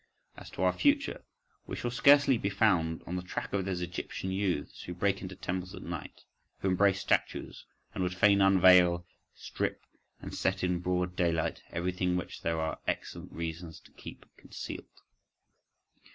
… As to our future: we shall scarcely be found on the track of those Egyptian youths who break into temples at night, who embrace statues, and would fain unveil, strip, and set in broad daylight, everything which there are excellent reasons to keep concealed.